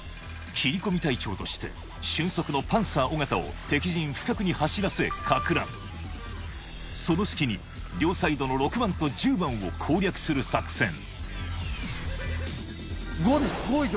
切り込み隊長として俊足のパンサー・尾形を敵陣深くに走らせかく乱その隙に両サイドの６番と１０番を攻略する作戦５です。